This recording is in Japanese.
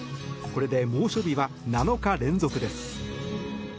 これで猛暑日は７日連続です。